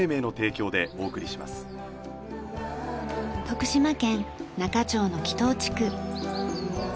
徳島県那賀町の木頭地区。